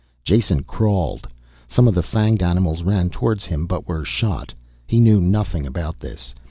Jason crawled. Some of the fanged animals ran towards him, but were shot. He knew nothing about this.